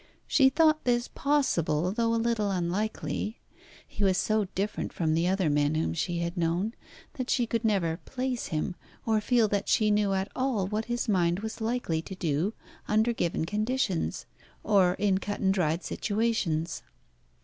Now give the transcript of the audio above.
She thought this possible, though a little unlikely. He was so different from the other men whom she had known, that she could never "place" him, or feel that she knew at all what his mind was likely to do under given conditions, or in cut and dried situations.